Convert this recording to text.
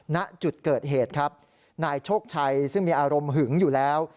ณจุดเกิดเหตุครับนายโชคชัยซึ่งมีอารมณ์หึงอยู่แล้ว